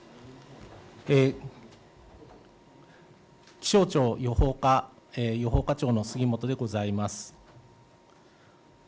気象庁予報課予報課長の杉本でございます。